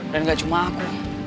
dan gak cuma aku